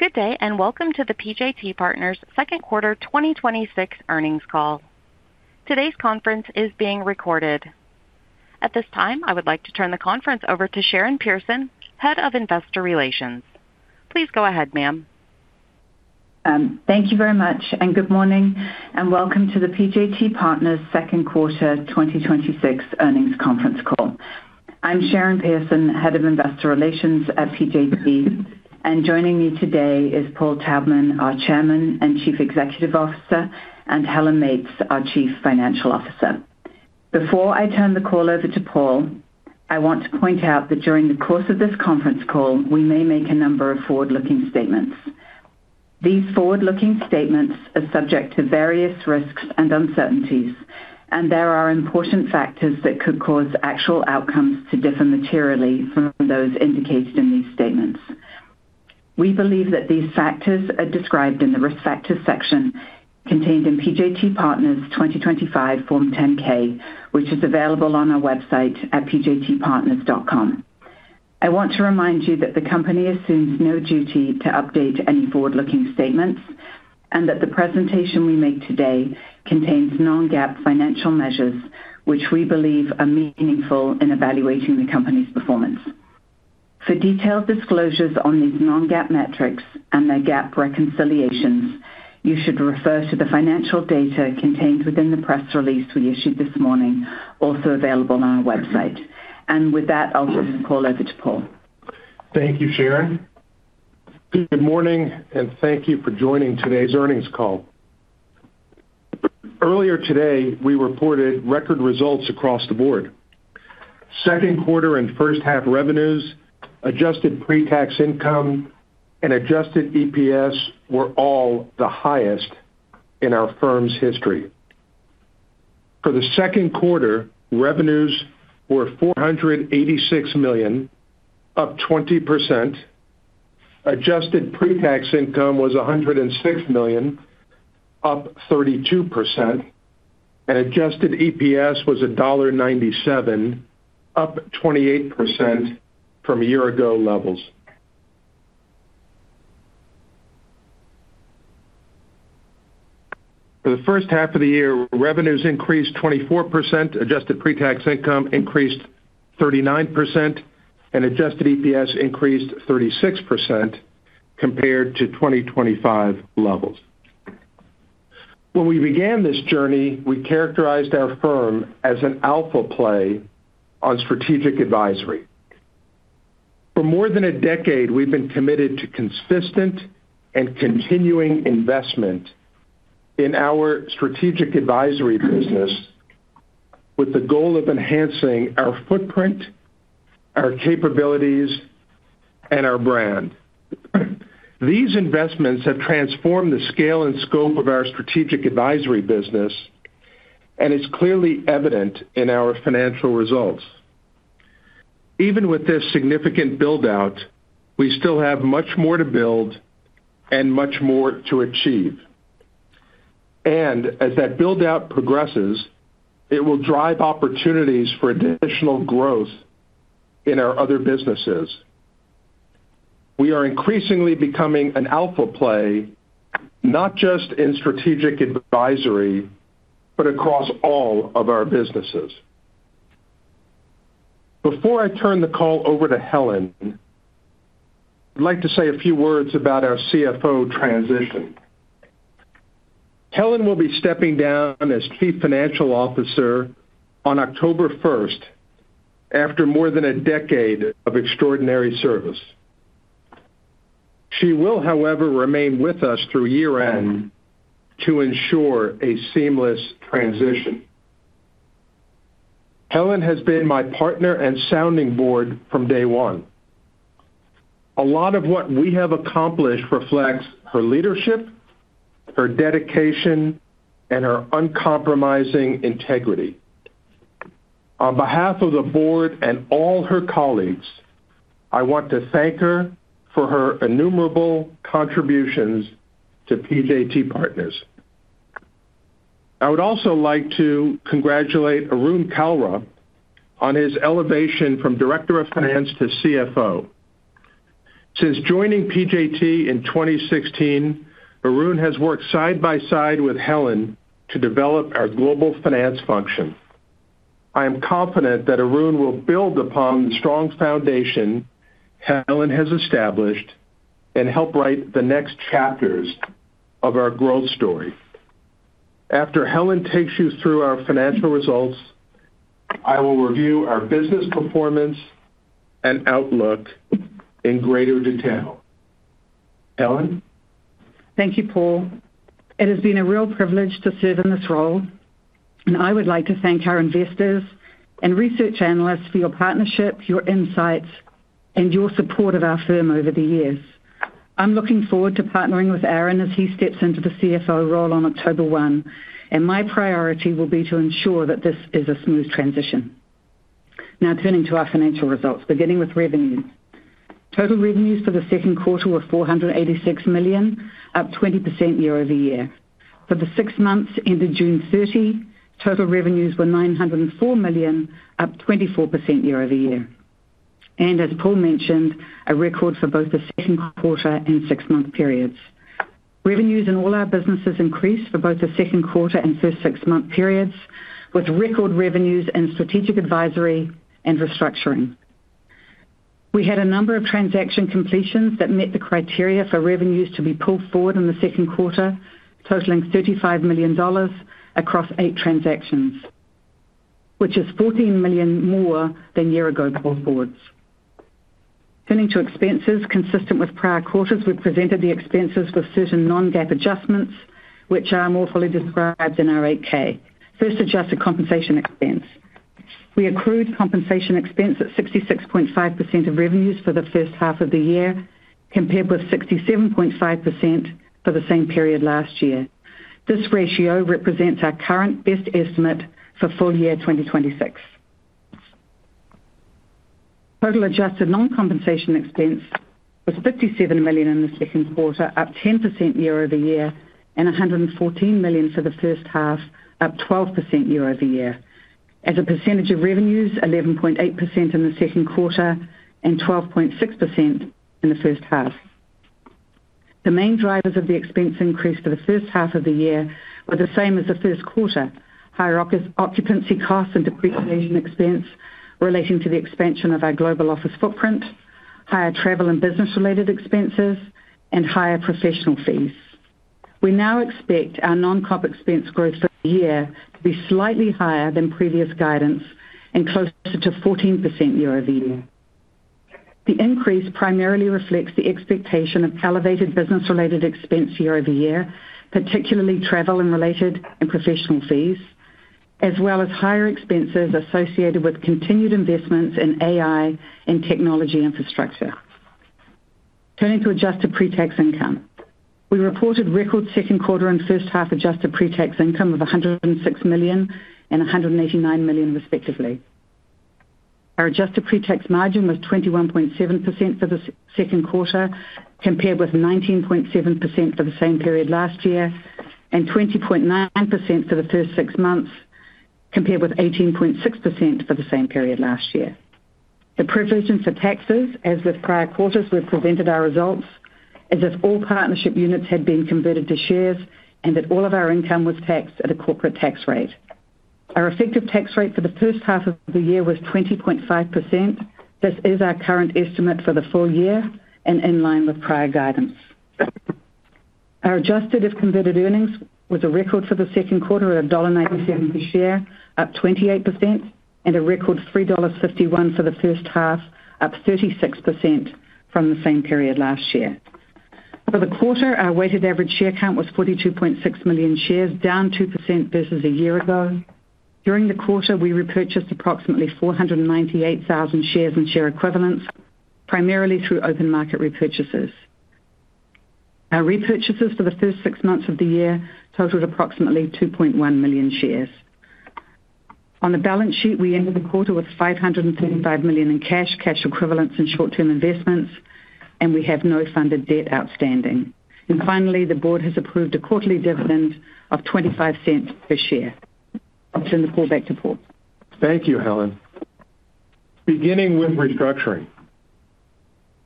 Good day. Welcome to the PJT Partners Second Quarter 2026 Earnings Call. Today's conference is being recorded. At this time, I would like to turn the conference over to Sharon Pearson, Head of Investor Relations. Please go ahead, ma'am. Thank you very much. Good morning. Welcome to the PJT Partners Second Quarter 2026 Earnings Conference Call. I'm Sharon Pearson, Head of Investor Relations at PJT, and joining me today is Paul Taubman, our Chairman and Chief Executive Officer, and Helen Meates, our Chief Financial Officer. Before I turn the call over to Paul, I want to point out that during the course of this conference call, we may make a number of forward-looking statements. These forward-looking statements are subject to various risks and uncertainties. There are important factors that could cause actual outcomes to differ materially from those indicated in these statements. We believe that these factors are described in the Risk Factors section contained in PJT Partners 2025 Form 10-K, which is available on our website at pjtpartners.com. I want to remind you that the company assumes no duty to update any forward-looking statements. The presentation we make today contains non-GAAP financial measures, which we believe are meaningful in evaluating the company's performance. For detailed disclosures on these non-GAAP metrics and their GAAP reconciliations, you should refer to the financial data contained within the press release we issued this morning, also available on our website. With that, I'll turn the call over to Paul. Thank you, Sharon. Good morning. Thank you for joining today's earnings call. Earlier today, we reported record results across the board. Second quarter and first-half revenues, adjusted pre-tax income, and adjusted EPS were all the highest in our firm's history. For the second quarter, revenues were $486 million, up 20%. Adjusted pre-tax income was $106 million, up 32%, and adjusted EPS was $1.97, up 28% from year-ago levels. For the first half of the year, revenues increased 24%, adjusted pre-tax income increased 39%, and adjusted EPS increased 36% compared to 2025 levels. When we began this journey, we characterized our firm as an alpha play on strategic advisory. For more than a decade, we've been committed to consistent and continuing investment in our strategic advisory business with the goal of enhancing our footprint, our capabilities, and our brand. These investments have transformed the scale and scope of our strategic advisory business, it's clearly evident in our financial results. Even with this significant build-out, we still have much more to build and much more to achieve. As that build-out progresses, it will drive opportunities for additional growth in our other businesses. We are increasingly becoming an alpha play, not just in strategic advisory, but across all of our businesses. Before I turn the call over to Helen, I'd like to say a few words about our Chief Financial Officer transition. Helen will be stepping down as Chief Financial Officer on October 1st, after more than a decade of extraordinary service. She will, however, remain with us through year-end to ensure a seamless transition. Helen has been my partner and sounding board from day one. A lot of what we have accomplished reflects her leadership, her dedication, and her uncompromising integrity. On behalf of the board and all her colleagues, I want to thank her for her innumerable contributions to PJT Partners. I would also like to congratulate Arun Kalra on his elevation from Director of Finance to Chief Financial Officer. Since joining PJT in 2016, Arun has worked side by side with Helen to develop our global finance function. I am confident that Arun will build upon the strong foundation Helen has established and help write the next chapters of our growth story. After Helen takes you through our financial results, I will review our business performance and outlook in greater detail. Helen? Thank you, Paul. It has been a real privilege to serve in this role, I would like to thank our investors and research analysts for your partnership, your insights, and your support of our firm over the years. I'm looking forward to partnering with Arun as he steps into the Chief Financial Officer role on October 1, My priority will be to ensure that this is a smooth transition. Now turning to our financial results, beginning with revenue. Total revenues for the second quarter were $486 million, up 20% year-over-year. For the six months ended June 30, total revenues were $904 million, up 24% year-over-year. As Paul mentioned, a record for both the second quarter and six-month periods. Revenues in all our businesses increased for both the second quarter and first six-month periods, with record revenues in strategic advisory and restructuring. We had a number of transaction completions that met the criteria for revenues to be pulled forward in the second quarter, totaling $35 million across eight transactions, which is $14 million more than year-ago pull forwards. Turning to expenses consistent with prior quarters, we've presented the expenses for certain non-GAAP adjustments, which are more fully described in our 8-K. First, adjusted compensation expense. We accrued compensation expense at 66.5% of revenues for the first half of the year, compared with 67.5% for the same period last year. This ratio represents our current best estimate for full year 2026. Total adjusted non-compensation expense was $57 million in the second quarter, up 10% year-over-year and $114 million for the first half, up 12% year-over-year. As a percentage of revenues, 11.8% in the second quarter and 12.6% in the first half. The main drivers of the expense increase for the first half of the year were the same as the first quarter. Higher occupancy costs and depreciation expense relating to the expansion of our global office footprint, higher travel and business-related expenses, and higher professional fees. We now expect our non-comp expense growth for the year to be slightly higher than previous guidance and closer to 14% year-over-year. The increase primarily reflects the expectation of elevated business-related expense year-over-year, particularly travel and related and professional fees, as well as higher expenses associated with continued investments in AI and technology infrastructure. Turning to adjusted pre-tax income. We reported record second quarter and first half adjusted pre-tax income of $106 million and $189 million respectively. Our adjusted pre-tax margin was 21.7% for the second quarter, compared with 19.7% for the same period last year, and 20.9% for the first six months, compared with 18.6% for the same period last year. The provisions for taxes, as with prior quarters, we've presented our results as if all partnership units had been converted to shares and that all of our income was taxed at a corporate tax rate. Our effective tax rate for the first half of the year was 20.5%. This is our current estimate for the full year and in line with prior guidance. Our adjusted if-converted earnings was a record for the second quarter at $1.97 per share, up 28%, and a record $3.51 for the first half, up 36% from the same period last year. For the quarter, our weighted average share count was 42.6 million shares, down 2% versus a year ago. During the quarter, we repurchased approximately 498,000 shares and share equivalents, primarily through open market repurchases. Our repurchases for the first six months of the year totaled approximately 2.1 million shares. On the balance sheet, we ended the quarter with $575 million in cash equivalents, and short-term investments, and we have no funded debt outstanding. Finally, the board has approved a quarterly dividend of $0.25 per share. I'll turn the call back to Paul. Thank you, Helen. Beginning with restructuring.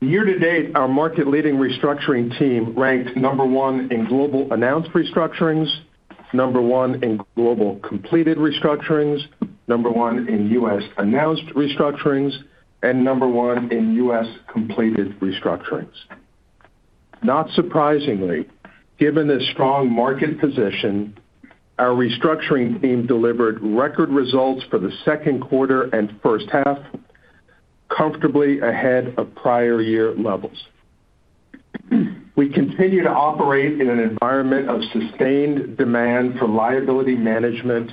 Year to date, our market-leading restructuring team ranked number one in global announced restructurings, number one in global completed restructurings, number one in U.S. announced restructurings, and number one in U.S. completed restructurings. Not surprisingly, given the strong market position, our restructuring team delivered record results for the second quarter and first half, comfortably ahead of prior year levels. We continue to operate in an environment of sustained demand for liability management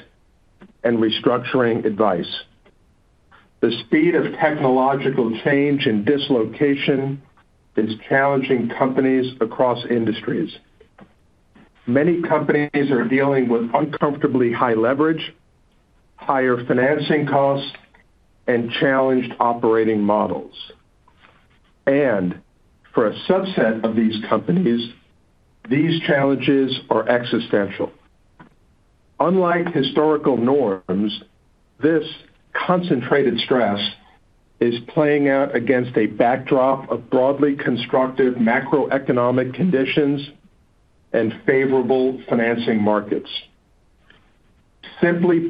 and restructuring advice. The speed of technological change and dislocation is challenging companies across industries. Many companies are dealing with uncomfortably high leverage, higher financing costs, and challenged operating models. For a subset of these companies, these challenges are existential. Unlike historical norms, this concentrated stress is playing out against a backdrop of broadly constructive macroeconomic conditions and favorable financing markets. Simply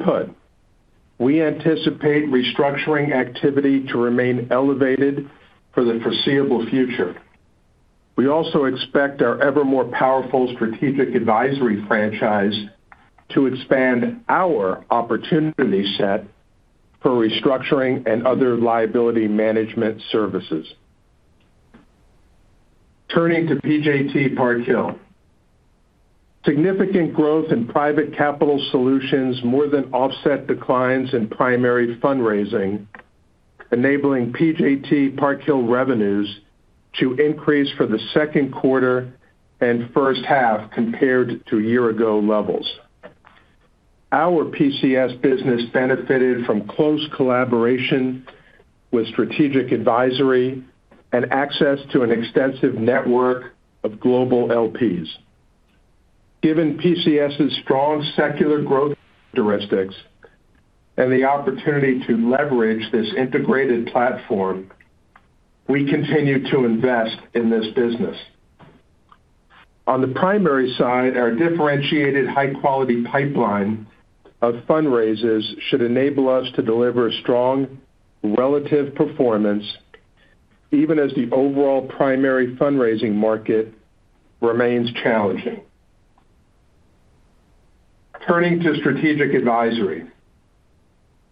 put, we anticipate restructuring activity to remain elevated for the foreseeable future. We also expect our ever more powerful strategic advisory franchise to expand our opportunity set for restructuring and other liability management services. Turning to PJT Park Hill. Significant growth in Private Capital Solutions more than offset declines in primary fundraising, enabling PJT Park Hill revenues to increase for the second quarter and first half compared to year-ago levels. Our PCS business benefited from close collaboration with strategic advisory and access to an extensive network of global LPs. Given PCS's strong secular growth characteristics and the opportunity to leverage this integrated platform, we continue to invest in this business. On the primary side, our differentiated high-quality pipeline of fundraisers should enable us to deliver strong relative performance even as the overall primary fundraising market remains challenging. Turning to strategic advisory.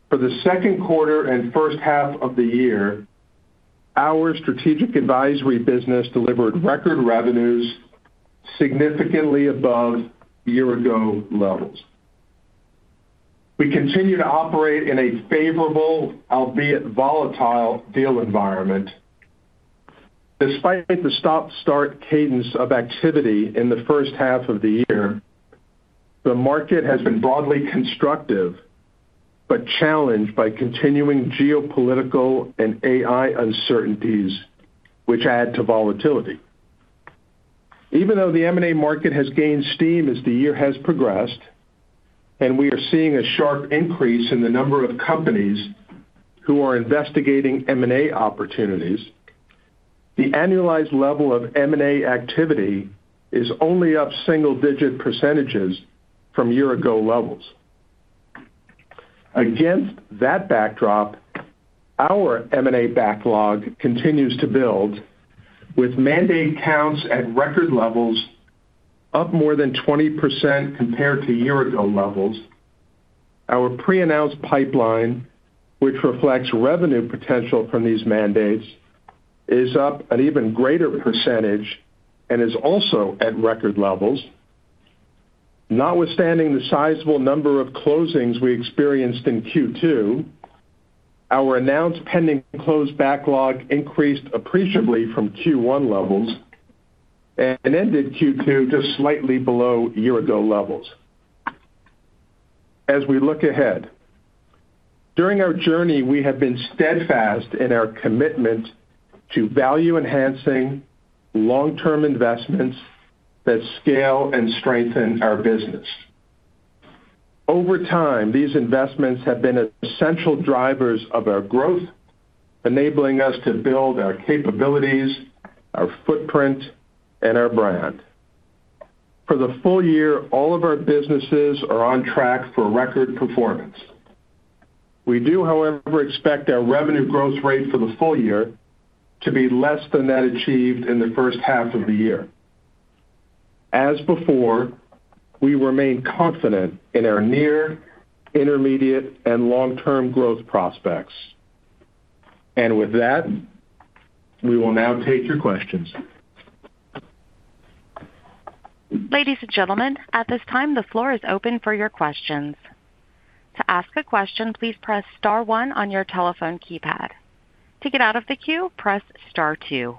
For the second quarter and first half of the year, our strategic advisory business delivered record revenues significantly above year-ago levels. We continue to operate in a favorable, albeit volatile, deal environment. Despite the stop-start cadence of activity in the first half of the year, the market has been broadly constructive but challenged by continuing geopolitical and AI uncertainties, which add to volatility. Even though the M&A market has gained steam as the year has progressed, we are seeing a sharp increase in the number of companies who are investigating M&A opportunities, the annualized level of M&A activity is only up single-digit percentages from year-ago levels. Against that backdrop, our M&A backlog continues to build with mandate counts at record levels up more than 20% compared to year-ago levels. Our pre-announced pipeline, which reflects revenue potential from these mandates, is up an even greater percentage and is also at record levels. Notwithstanding the sizable number of closings we experienced in Q2, our announced pending closed backlog increased appreciably from Q1 levels and ended Q2 just slightly below year-ago levels. As we look ahead, during our journey, we have been steadfast in our commitment to value-enhancing long-term investments that scale and strengthen our business. Over time, these investments have been essential drivers of our growth, enabling us to build our capabilities, our footprint, and our brand. For the full year, all of our businesses are on track for record performance. We do, however, expect our revenue growth rate for the full year to be less than that achieved in the first half of the year. As before, we remain confident in our near, intermediate, and long-term growth prospects. With that, we will now take your questions. Ladies and gentlemen, at this time the floor is open for your questions. To ask a question, please press star one on your telephone keypad. To get out of the queue, press star two.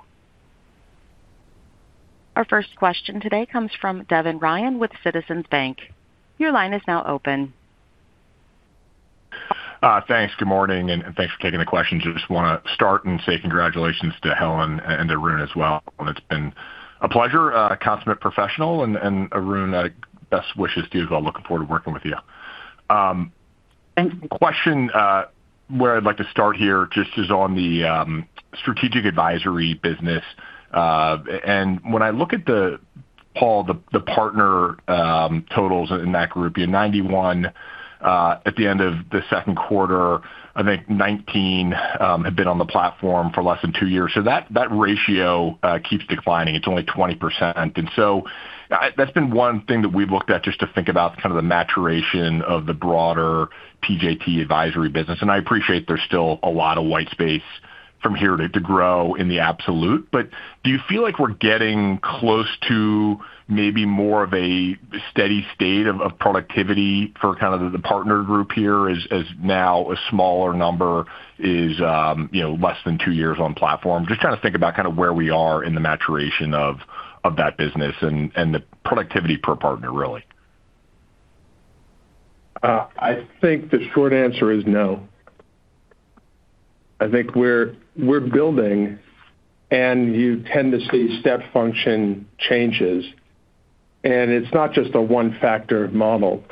Our first question today comes from Devin Ryan with Citizens. Your line is now open. Thanks. Good morning, thanks for taking the questions. I just want to start and say congratulations to Helen and Arun as well. It's been a pleasure, a consummate professional, and Arun, best wishes to you as well. Looking forward to working with you. Question where I'd like to start here just is on the strategic advisory business. When I look at the, Paul, the partner totals in that group, you had 91 at the end of the second quarter. I think 19 have been on the platform for less than two years. That ratio keeps declining. It's only 20%. That's been one thing that we've looked at just to think about kind of the maturation of the broader PJT Advisory business. I appreciate there's still a lot of white space from here to grow in the absolute. Do you feel like we're getting close to maybe more of a steady state of productivity for kind of the partner group here as now a smaller number is less than two years on platform? Just trying to think about kind of where we are in the maturation of that business and the productivity per partner, really. I think the short answer is no. I think we're building, you tend to see step function changes, it's not just a one-factor model.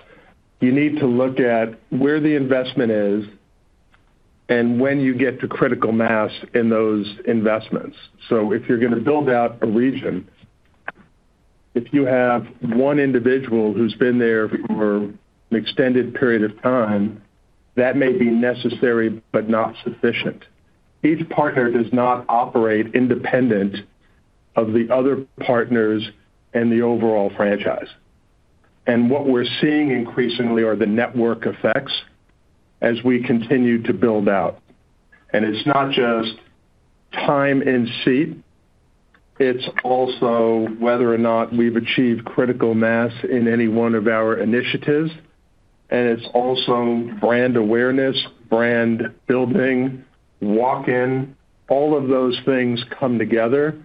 You need to look at where the investment is and when you get to critical mass in those investments. If you're going to build out a region, if you have one individual who's been there for an extended period of time, that may be necessary, but not sufficient. Each partner does not operate independent of the other partners and the overall franchise. What we're seeing increasingly are the network effects as we continue to build out. It's not just time in seat. It's also whether or not we've achieved critical mass in any one of our initiatives, it's also brand awareness, brand building, walk-in, all of those things come together.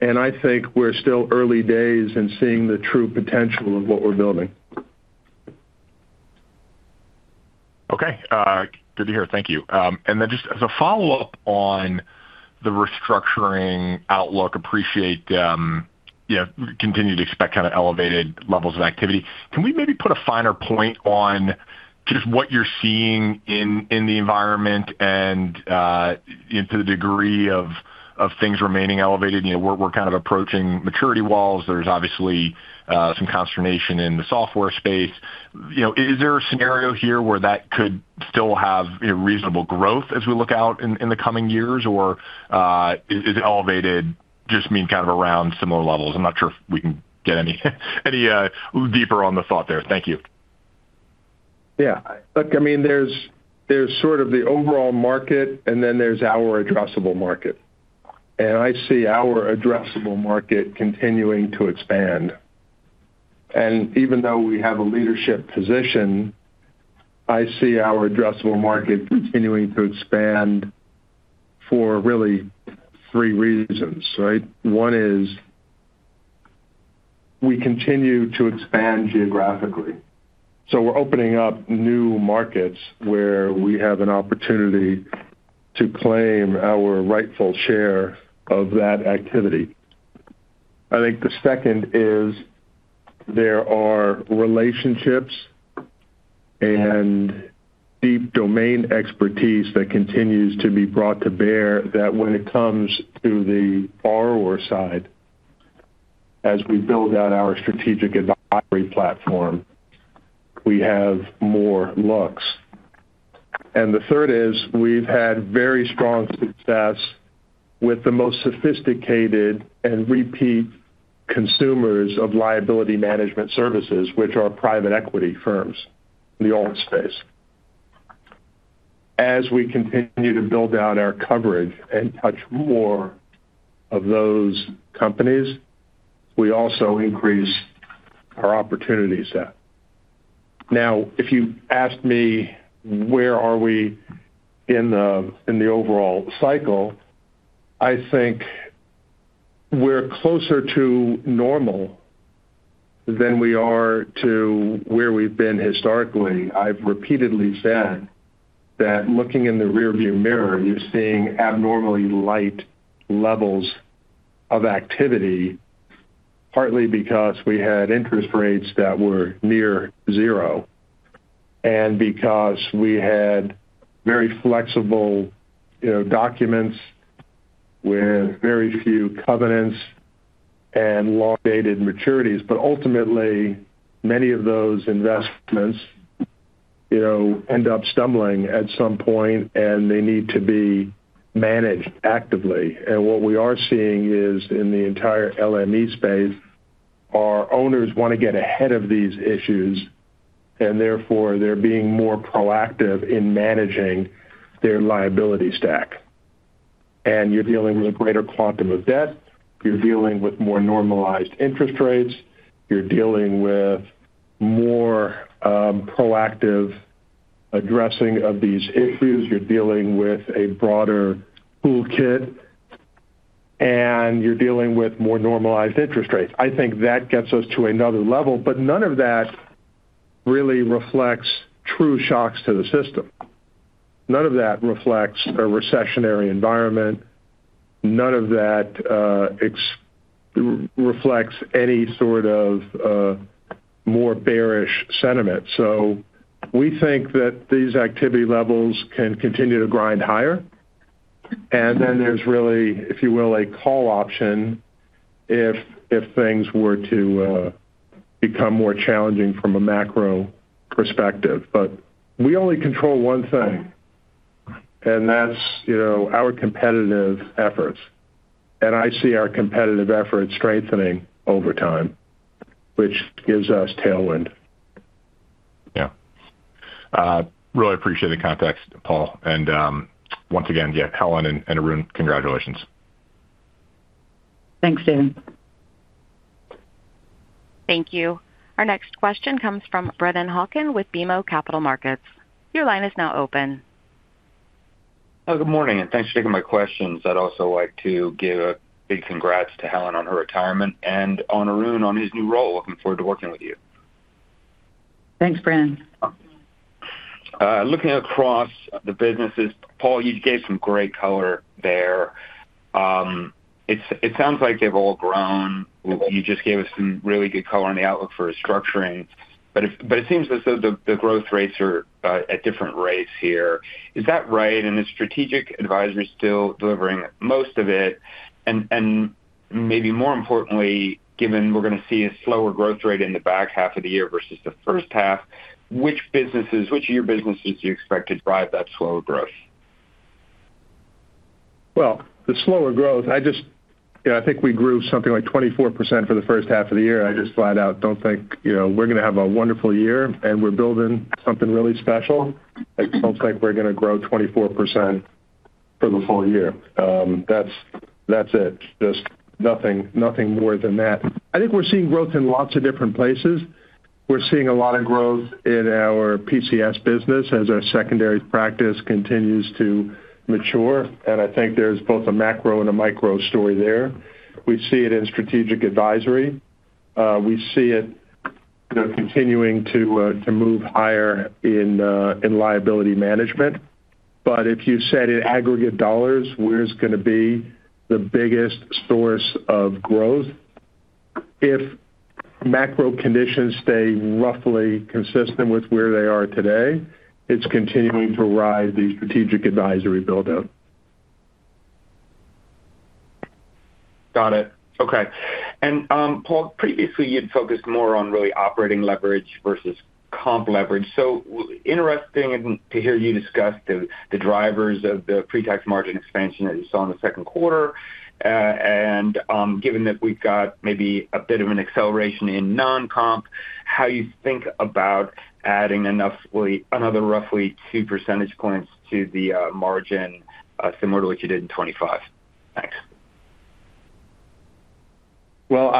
I think we're still early days in seeing the true potential of what we're building. Okay. Good to hear. Thank you. Just as a follow-up on the restructuring outlook, appreciate you continue to expect kind of elevated levels of activity. Can we maybe put a finer point on just what you're seeing in the environment and to the degree of things remaining elevated? We're kind of approaching maturity walls. There's obviously some consternation in the software space. Is there a scenario here where that could still have reasonable growth as we look out in the coming years? Or is it elevated just mean kind of around similar levels? I'm not sure if we can get any deeper on the thought there. Thank you. Yeah. Look, there's sort of the overall market, and then there's our addressable market. I see our addressable market continuing to expand. Even though we have a leadership position, I see our addressable market continuing to expand for really three reasons, right? One is, we continue to expand geographically. We're opening up new markets where we have an opportunity to claim our rightful share of that activity. I think the second is there are relationships and deep domain expertise that continues to be brought to bear that when it comes to the borrower side, as we build out our strategic advisory platform, we have more looks. The third is we've had very strong success with the most sophisticated and repeat consumers of liability management services, which are private equity firms in the alt space. As we continue to build out our coverage and touch more of those companies, we also increase our opportunities there. If you asked me where are we in the overall cycle, I think we're closer to normal than we are to where we've been historically. I've repeatedly said that looking in the rear view mirror, you're seeing abnormally light levels of activity, partly because we had interest rates that were near zero, and because we had very flexible documents with very few covenants and long-dated maturities. Ultimately, many of those investments end up stumbling at some point, and they need to be managed actively. What we are seeing is in the entire LME space, our owners want to get ahead of these issues, and therefore, they're being more proactive in managing their liability stack. You're dealing with a greater quantum of debt, you're dealing with more normalized interest rates, you're dealing with more proactive addressing of these issues. You're dealing with a broader toolkit, you're dealing with more normalized interest rates. I think that gets us to another level, but none of that really reflects true shocks to the system. None of that reflects a recessionary environment. None of that reflects any sort of more bearish sentiment. Then there's really, if you will, a call option if things were to become more challenging from a macro perspective. We only control one thing, and that's our competitive efforts. I see our competitive efforts strengthening over time, which gives us tailwind. Yeah. Really appreciate the context, Paul. Once again, yeah, Helen and Arun, congratulations. Thanks, Devin. Thank you. Our next question comes from Brennan Hawken with BMO Capital Markets. Your line is now open. Good morning. Thanks for taking my questions. I'd also like to give a big congrats to Helen on her retirement and on Arun on his new role. Looking forward to working with you. Thanks, Brennan. Looking across the businesses, Paul, you gave some great color there. It sounds like they've all grown. You just gave us some really good color on the outlook for restructuring. It seems as though the growth rates are at different rates here. Is that right? Is strategic advisory still delivering most of it? Maybe more importantly, given we're going to see a slower growth rate in the back half of the year versus the first half, which of your businesses do you expect to drive that slower growth? The slower growth. I think we grew something like 24% for the first half of the year. I just flat out don't think we're going to have a wonderful year, and we're building something really special. I don't think we're going to grow 24% for the full year. That's it. Just nothing more than that. I think we're seeing growth in lots of different places. We're seeing a lot of growth in our PCS business as our secondary practice continues to mature, and I think there's both a macro and a micro story there. We see it in strategic advisory. We see it continuing to move higher in liability management. If you said in aggregate dollars, where's going to be the biggest source of growth? If macro conditions stay roughly consistent with where they are today, it's continuing to ride the strategic advisory build-out. Got it. Okay. Paul, previously you'd focused more on really operating leverage versus comp leverage. Interesting to hear you discuss the drivers of the pre-tax margin expansion that you saw in the second quarter. Given that we've got maybe a bit of an acceleration in non-comp, how you think about adding another roughly 2 percentage points to the margin, similar to what you did in 2025? Thanks. Well,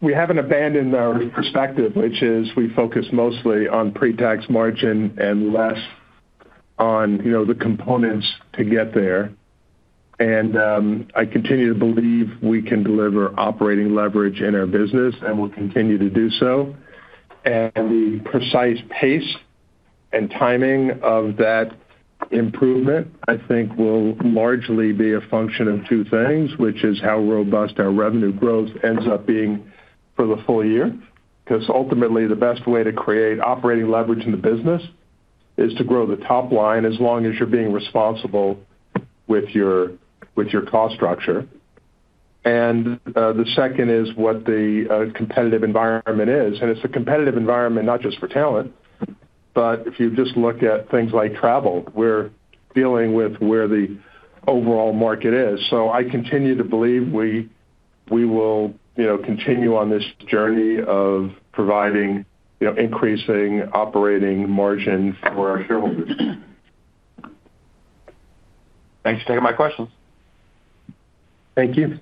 we haven't abandoned our perspective, which is we focus mostly on pre-tax margin and less on the components to get there. I continue to believe we can deliver operating leverage in our business and will continue to do so. The precise pace and timing of that improvement, I think will largely be a function of two things. Which is how robust our revenue growth ends up being for the full year. Ultimately the best way to create operating leverage in the business is to grow the top line as long as you're being responsible with your cost structure. The second is what the competitive environment is. It's a competitive environment not just for talent, but if you just look at things like travel, we're dealing with where the overall market is. I continue to believe we will continue on this journey of providing increasing operating margins for our shareholders. Thanks for taking my questions. Thank you.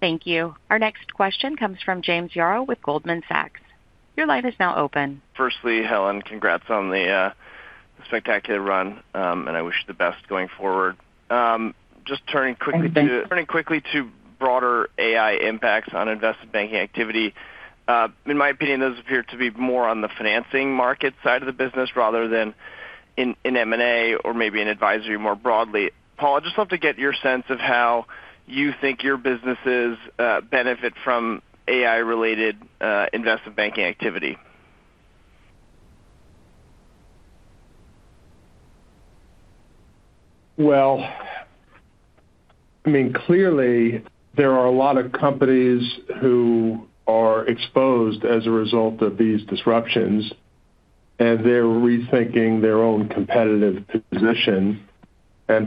Thank you. Our next question comes from James Yaro with Goldman Sachs. Your line is now open. Firstly, Helen, congrats on the spectacular run, and I wish you the best going forward. Thank you. Turning quickly to broader AI impacts on investment banking activity. In my opinion, those appear to be more on the financing market side of the business rather than in M&A or maybe in advisory more broadly. Paul, I'd just love to get your sense of how you think your businesses benefit from AI-related investment banking activity. Well, clearly there are a lot of companies who are exposed as a result of these disruptions, and they're rethinking their own competitive position.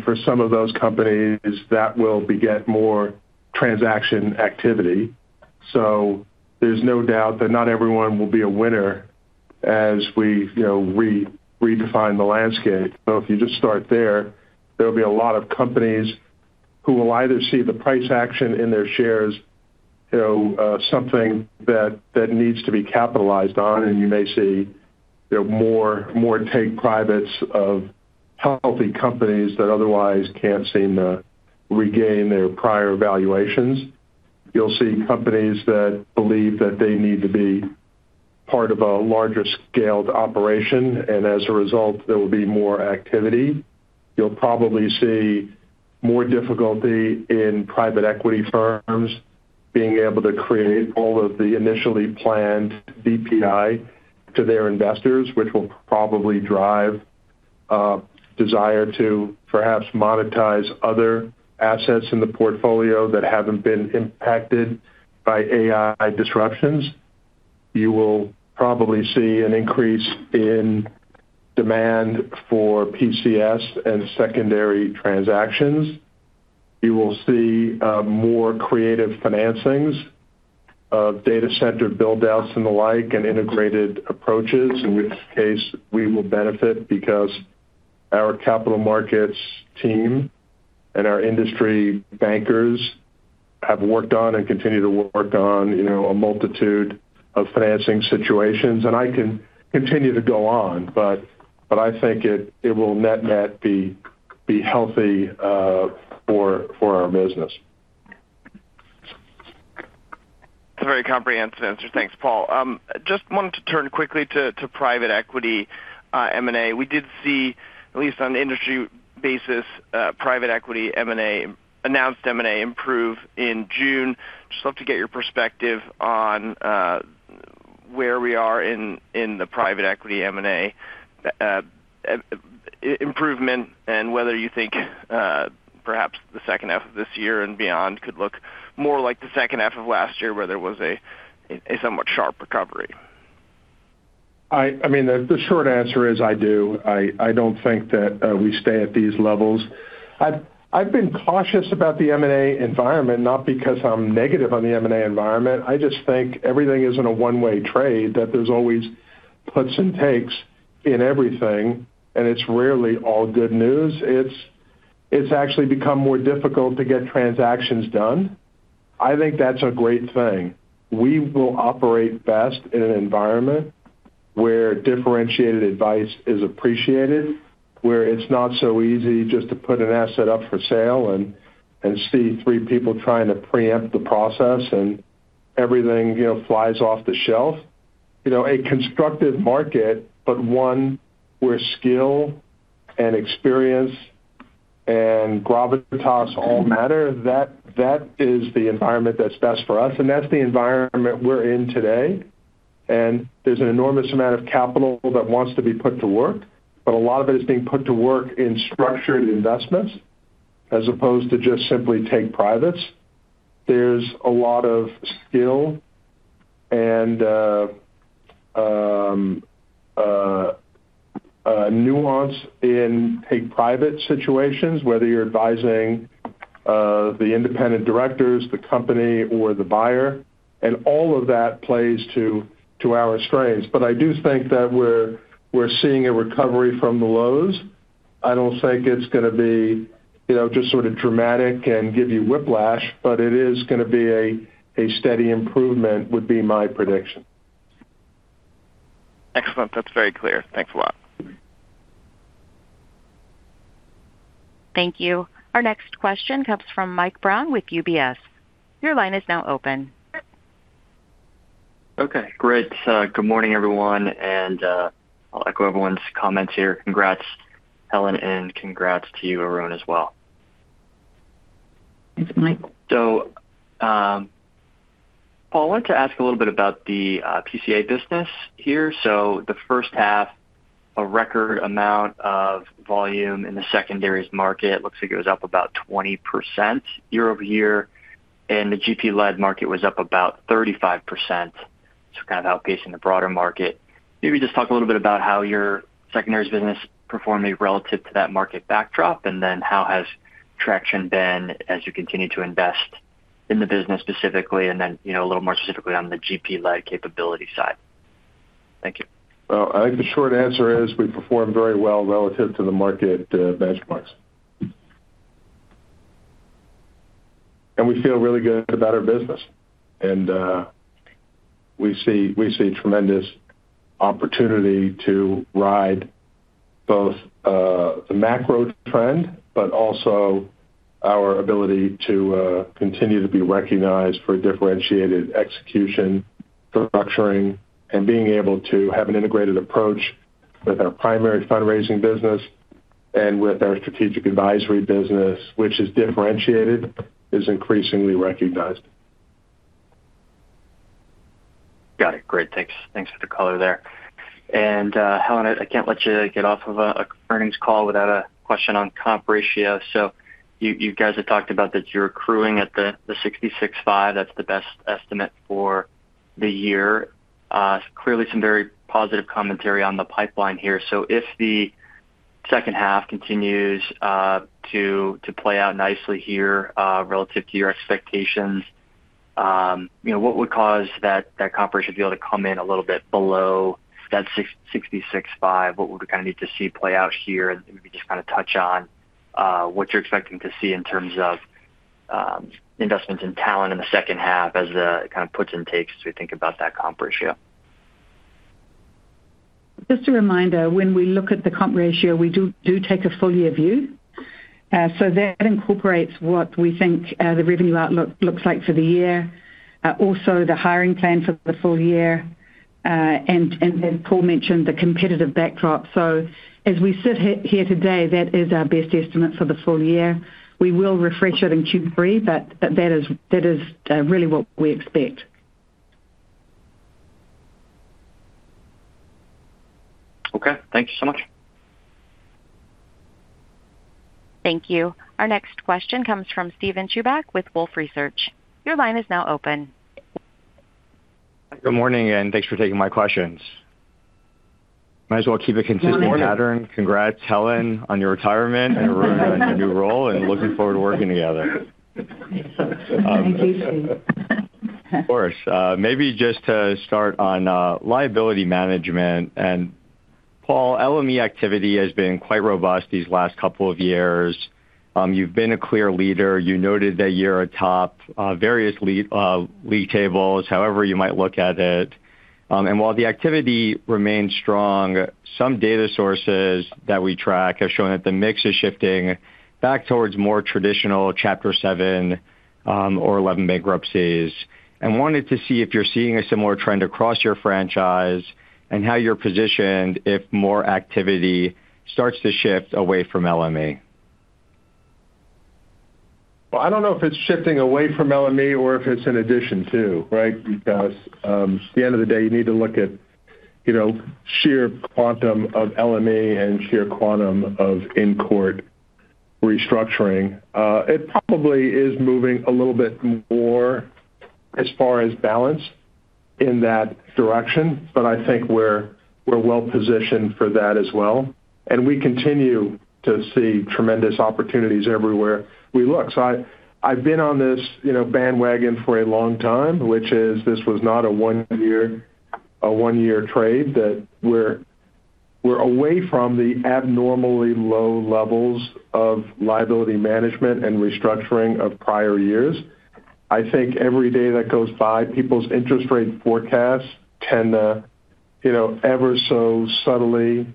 For some of those companies, that will beget more transaction activity. There's no doubt that not everyone will be a winner as we redefine the landscape. If you just start there'll be a lot of companies who will either see the price action in their shares, something that needs to be capitalized on. You may see more take privates of healthy companies that otherwise can't seem to regain their prior valuations. You'll see companies that believe that they need to be part of a larger scaled operation, and as a result, there will be more activity. You'll probably see more difficulty in private equity firms being able to create all of the initially planned DPI to their investors, which will probably drive a desire to perhaps monetize other assets in the portfolio that haven't been impacted by AI disruptions. You will probably see an increase in demand for PCS and secondary transactions. You will see more creative financings of data center build-outs and the like, and integrated approaches, in which case we will benefit because our capital markets team and our industry bankers have worked on and continue to work on a multitude of financing situations. I can continue to go on, but I think it will net-net be healthy for our business. That's a very comprehensive answer. Thanks, Paul. Just wanted to turn quickly to private equity M&A. We did see, at least on an industry basis private equity M&A, announced M&A improve in June. Just love to get your perspective on where we are in the private equity M&A improvement, and whether you think perhaps the second half of this year and beyond could look more like the second half of last year where there was a somewhat sharp recovery. The short answer is I do. I don't think that we stay at these levels. I've been cautious about the M&A environment, not because I'm negative on the M&A environment. I just think everything isn't a one-way trade, that there's always puts and takes in everything, and it's rarely all good news. It's actually become more difficult to get transactions done. I think that's a great thing. We will operate best in an environment where differentiated advice is appreciated, where it's not so easy just to put an asset up for sale and see three people trying to preempt the process and everything flies off the shelf. A constructive market, but one where skill and experience and gravitas all matter, that is the environment that's best for us. That's the environment we're in today. There's an enormous amount of capital that wants to be put to work, but a lot of it is being put to work in structured investments as opposed to just simply take privates. There's a lot of skill and nuance in take private situations, whether you're advising the independent directors, the company, or the buyer, and all of that plays to our strengths. I do think that we're seeing a recovery from the lows. I don't think it's going to be just sort of dramatic and give you whiplash, but it is going to be a steady improvement would be my prediction. Excellent. That's very clear. Thanks a lot. Thank you. Our next question comes from Mike Brown with UBS. Your line is now open. Okay, great. Good morning, everyone. I'll echo everyone's comments here. Congrats, Helen. Congrats to you, Arun, as well. Thanks, Mike. Paul, I wanted to ask a little bit about the PCS business here. The first half, a record amount of volume in the secondaries market. Looks like it was up about 20% year-over-year. The GP-led market was up about 35%, so kind of outpacing the broader market. Maybe just talk a little bit about how your secondaries business performed maybe relative to that market backdrop. How has traction been as you continue to invest in the business specifically. A little more specifically on the GP-led capability side. Thank you. Well, I think the short answer is we performed very well relative to the market benchmarks. We feel really good about our business. We see tremendous opportunity to ride both the macro trend, but also our ability to continue to be recognized for differentiated execution, for structuring, and being able to have an integrated approach with our primary fundraising business and with our strategic advisory business, which is differentiated, is increasingly recognized. Got it. Great. Thanks for the color there. Helen, I can't let you get off of an earnings call without a question on comp ratio. You guys have talked about that you're accruing at the 66.5. That's the best estimate for the year. Clearly, some very positive commentary on the pipeline here. If the second half continues to play out nicely here relative to your expectations, what would cause that comp ratio to be able to come in a little bit below that 66.5? What would we kind of need to see play out here? Maybe just kind of touch on what you're expecting to see in terms of investments in talent in the second half as the kind of puts and takes as we think about that comp ratio. Just a reminder, when we look at the comp ratio, we do take a full year view. That incorporates what we think the revenue outlook looks like for the year. Also, the hiring plan for the full year, Paul mentioned the competitive backdrop. As we sit here today, that is our best estimate for the full year. We will refresh it in Q3, that is really what we expect. Thank you so much. Thank you. Our next question comes from Steven Chubak with Wolfe Research. Your line is now open. Good morning. Thanks for taking my questions. Might as well keep a consistent pattern. Congrats, Helen, on your retirement and Arun on your new role. Looking forward to working together. Thank you, Steven. Of course. Maybe just to start on liability management. Paul, LME activity has been quite robust these last couple of years. You've been a clear leader. You noted that you're atop various league tables, however you might look at it. While the activity remains strong, some data sources that we track have shown that the mix is shifting back towards more traditional Chapter 7 or 11 bankruptcies. I wanted to see if you're seeing a similar trend across your franchise, and how you're positioned if more activity starts to shift away from LME. I don't know if it's shifting away from LME or if it's in addition to, right? Because at the end of the day, you need to look at sheer quantum of LME and sheer quantum of in-court restructuring. It probably is moving a little bit more as far as balance in that direction. I think we're well positioned for that as well. We continue to see tremendous opportunities everywhere we look. I've been on this bandwagon for a long time, which is this was not a one-year trade that we're away from the abnormally low levels of liability management and restructuring of prior years. Every day that goes by, people's interest rate forecasts tend to ever so subtly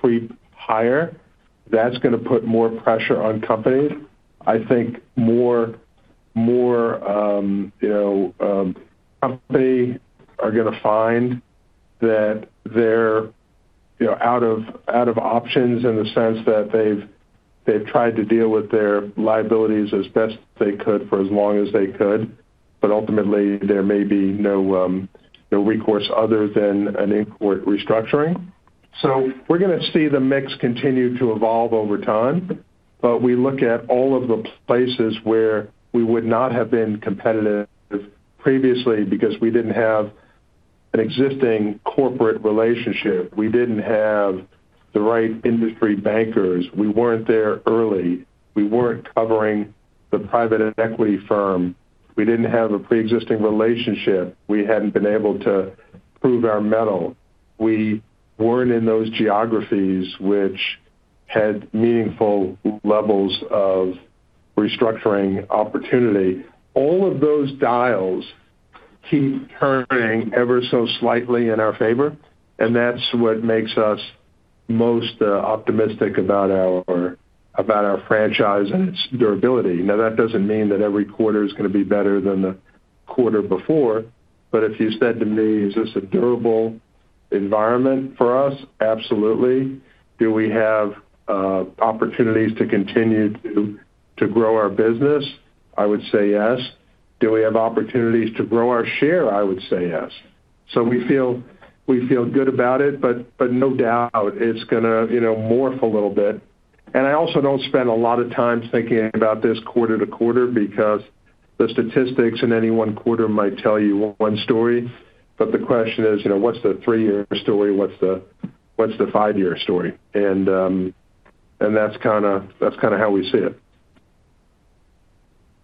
creep higher. That's going to put more pressure on companies. I think more company are going to find that they're out of options in the sense that they've tried to deal with their liabilities as best they could for as long as they could, but ultimately, there may be no recourse other than an in-court restructuring. We're going to see the mix continue to evolve over time. We look at all of the places where we would not have been competitive previously because we didn't have an existing corporate relationship, we didn't have the right industry bankers, we weren't there early, we weren't covering the private equity firm. We didn't have a preexisting relationship. We hadn't been able to prove our mettle. We weren't in those geographies which had meaningful levels of restructuring opportunity. All of those dials keep turning ever so slightly in our favor, and that's what makes us most optimistic about our franchise and its durability. Now, that doesn't mean that every quarter is going to be better than the quarter before, but if you said to me, "Is this a durable environment for us?" Absolutely. Do we have opportunities to continue to grow our business? I would say yes. Do we have opportunities to grow our share? I would say yes. We feel good about it, but no doubt it's going to morph a little bit. I also don't spend a lot of time thinking about this quarter to quarter because the statistics in any one quarter might tell you one story. The question is, what's the three-year story? What's the five-year story? And that's kind of how we see it.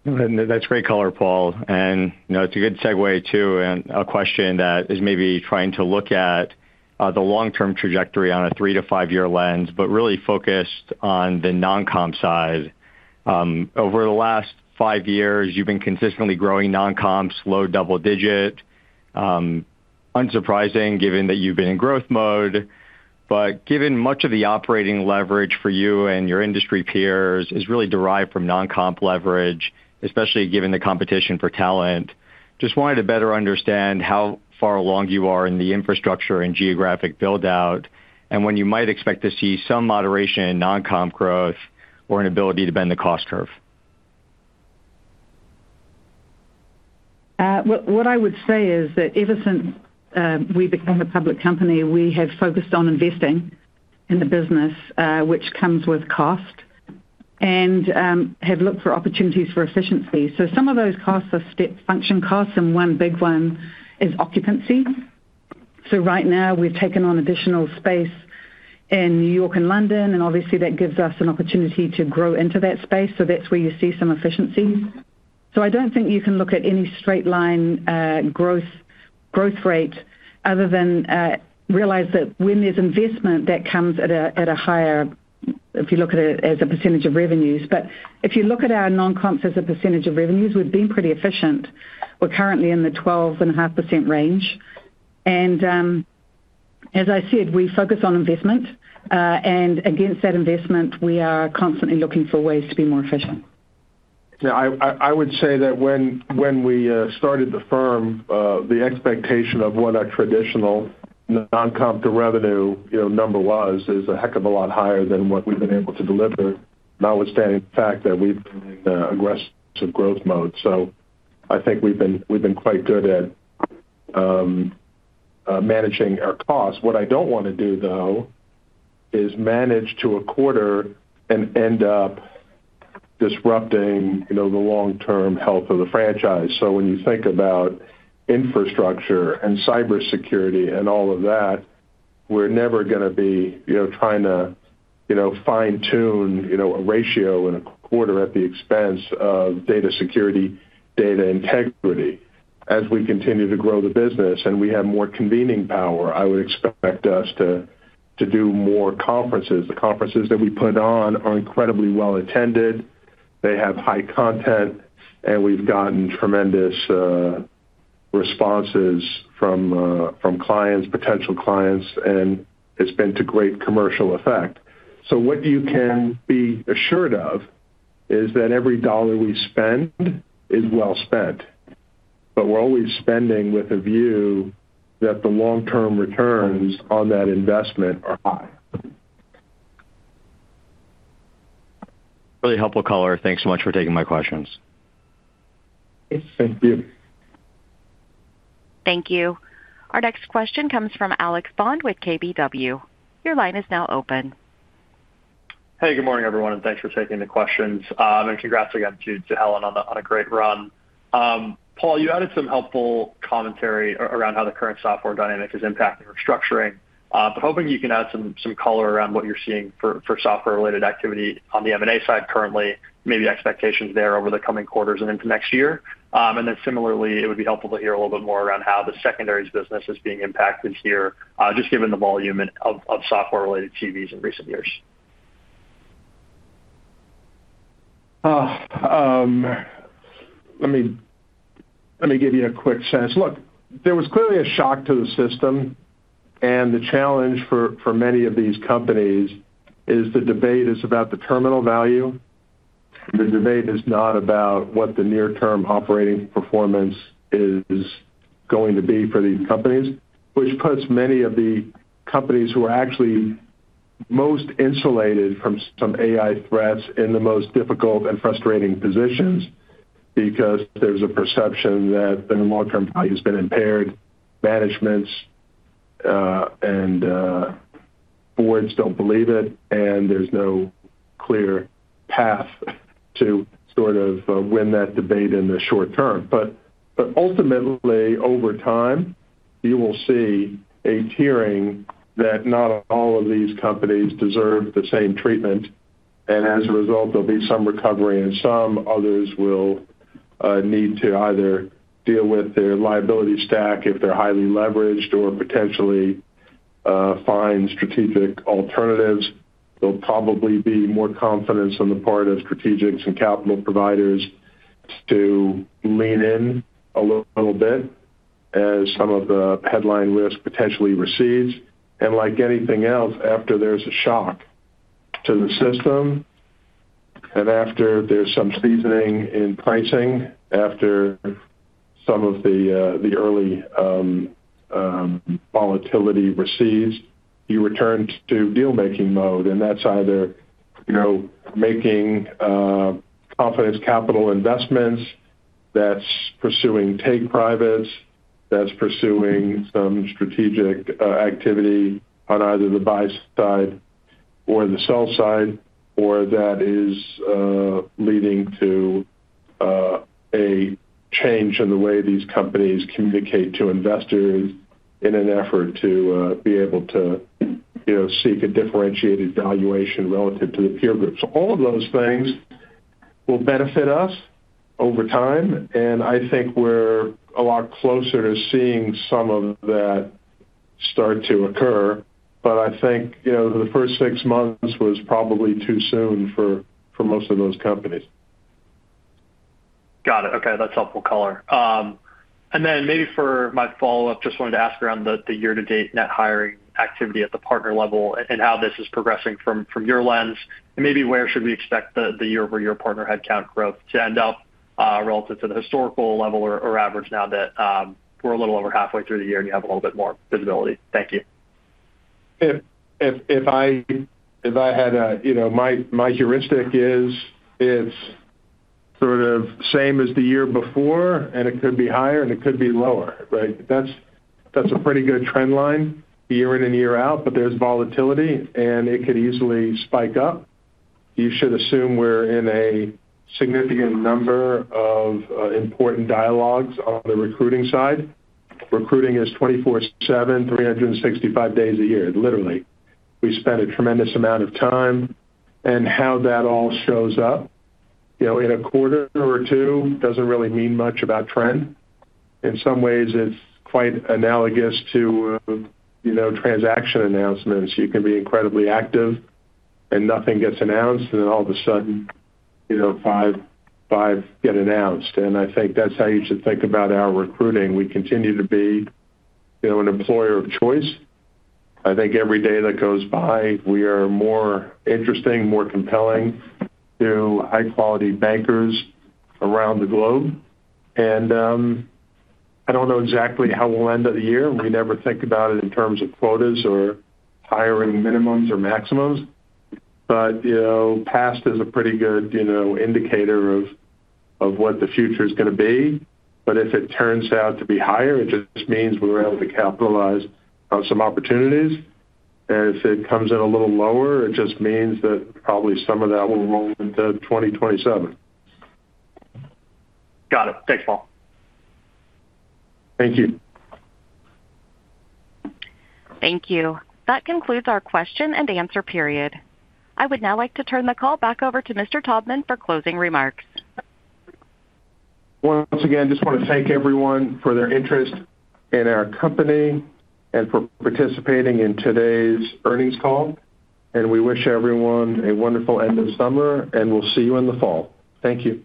That's great color, Paul, and it's a good segue, too, and a question that is maybe trying to look at the long-term trajectory on a three-to-five-year lens, but really focused on the non-comp side. Over the last five years, you've been consistently growing non-comps, low double digit. Unsurprising given that you've been in growth mode. Given much of the operating leverage for you and your industry peers is really derived from non-comp leverage, especially given the competition for talent, just wanted to better understand how far along you are in the infrastructure and geographic build-out, and when you might expect to see some moderation in non-comp growth or an ability to bend the cost curve. What I would say is that ever since we became a public company, we have focused on investing in the business, which comes with cost, and have looked for opportunities for efficiency. Some of those costs are function costs, and one big one is occupancy. Right now we've taken on additional space in New York and London, and obviously that gives us an opportunity to grow into that space. That's where you see some efficiencies. I don't think you can look at any straight line growth rate other than realize that when there's investment that comes at a higher, if you look at it as a percentage of revenues. If you look at our non-comps as a percentage of revenues, we've been pretty efficient. We're currently in the 12.5% range. As I said, we focus on investment. Against that investment, we are constantly looking for ways to be more efficient. Yeah, I would say that when we started the firm, the expectation of what our traditional non-comp to revenue number was is a heck of a lot higher than what we've been able to deliver, notwithstanding the fact that we've been in aggressive growth mode. I think we've been quite good at managing our costs. What I don't want to do, though, is manage to a quarter and end up disrupting the long-term health of the franchise. When you think about infrastructure and cybersecurity and all of that, we're never going to be trying to fine-tune a ratio in a quarter at the expense of data security, data integrity. As we continue to grow the business and we have more convening power, I would expect us to do more conferences. The conferences that we put on are incredibly well-attended. They have high content, and we've gotten tremendous responses from clients, potential clients, and it's been to great commercial effect. What you can be assured of is that every dollar we spend is well spent. We're always spending with a view that the long-term returns on that investment are high. Really helpful color. Thanks so much for taking my questions. Thank you. Thank you. Thank you. Our next question comes from Alex Bond with KBW. Your line is now open. Hey, good morning, everyone, and thanks for taking the questions. Congrats again to Helen on a great run. Paul, you added some helpful commentary around how the current software dynamic is impacting restructuring. Hoping you can add some color around what you're seeing for software-related activity on the M&A side currently, maybe expectations there over the coming quarters and into next year. Similarly, it would be helpful to hear a little bit more around how the secondaries business is being impacted here, just given the volume of software-related TVs in recent years. Let me give you a quick sense. Look, there was clearly a shock to the system. The challenge for many of these companies is the debate is about the terminal value. The debate is not about what the near-term operating performance is going to be for these companies, which puts many of the companies who are actually most insulated from some AI threats in the most difficult and frustrating positions because there's a perception that the long-term value's been impaired. Managements and boards don't believe it. There's no clear path to sort of win that debate in the short term. Ultimately, over time, you will see a tiering that not all of these companies deserve the same treatment. As a result, there'll be some recovery and some others will need to either deal with their liability stack if they're highly leveraged or potentially find strategic alternatives. There'll probably be more confidence on the part of strategics and capital providers to lean in a little bit as some of the headline risk potentially recedes. Like anything else, after there's a shock to the system, after there's some seasoning in pricing, after some of the early volatility recedes, you return to deal-making mode. That's either making confidence capital investments, that's pursuing take privates, that's pursuing some strategic activity on either the buy side or the sell side, or that is leading to a change in the way these companies communicate to investors in an effort to be able to seek a differentiated valuation relative to the peer group. All of those things will benefit us over time, and I think we're a lot closer to seeing some of that start to occur. I think the first six months was probably too soon for most of those companies. Got it. Okay. That's helpful color. Maybe for my follow-up, just wanted to ask around the year-to-date net hiring activity at the partner level and how this is progressing from your lens. Maybe where should we expect the year-over-year partner headcount growth to end up, relative to the historical level or average now that we're a little over halfway through the year and you have a little bit more visibility. Thank you. My heuristic is it's sort of same as the year before, and it could be higher and it could be lower, right? That's a pretty good trend line year in and year out, but there's volatility, and it could easily spike up. You should assume we're in a significant number of important dialogues on the recruiting side. Recruiting is 24/7, 365 days a year, literally. We spend a tremendous amount of time, and how that all shows up in a quarter or two doesn't really mean much about trend. In some ways, it's quite analogous to transaction announcements. You can be incredibly active and nothing gets announced, then all of a sudden, five get announced. I think that's how you should think about our recruiting. We continue to be an employer of choice. I think every day that goes by, we are more interesting, more compelling to high-quality bankers around the globe. I don't know exactly how we'll end of the year. We never think about it in terms of quotas or hiring minimums or maximums. Past is a pretty good indicator of what the future's going to be. If it turns out to be higher, it just means we were able to capitalize on some opportunities. If it comes in a little lower, it just means that probably some of that will roll into 2027. Got it. Thanks, Paul. Thank you. Thank you. That concludes our question and answer period. I would now like to turn the call back over to Mr. Taubman for closing remarks. Once again, just want to thank everyone for their interest in our company and for participating in today's earnings call. We wish everyone a wonderful end of summer, and we'll see you in the fall. Thank you.